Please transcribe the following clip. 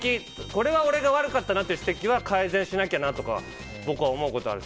これは俺が悪かったなという指摘は改善しなきゃなと俺は思うことはある。